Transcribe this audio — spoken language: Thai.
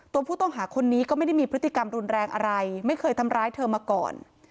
ตัวผู้ต้องหาคนนี้ก็ไม่ได้มีพฤติกรรมรุนแรงอะไรไม่เคยทำร้ายเธอมาก่อน